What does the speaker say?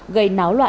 gây náo loạn